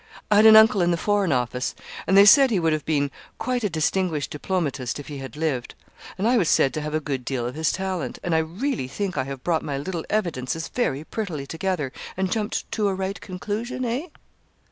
I had an uncle in the Foreign Office, and they said he would have been quite a distinguished diplomatist if he had lived; and I was said to have a good deal of his talent; and I really think I have brought my little evidences very prettily together, and jumped to a right conclusion eh?'